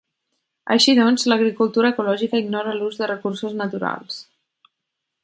Així doncs, l'agricultura ecològica ignora l'ús de recursos naturals.